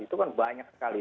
itu kan banyak sekali